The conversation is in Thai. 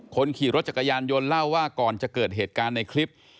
คนขี่รถจักรยานยนต์เล่าว่าก่อนจะเกิดเหตุการณ์ในคลิป